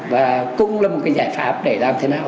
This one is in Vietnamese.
và cũng là một cái giải pháp để làm thế nào